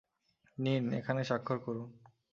নিন, এখানে স্বাক্ষর করুন।